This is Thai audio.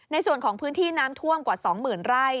ในพื้นที่น้ำท่วมกว่า๒๐๐๐ไร่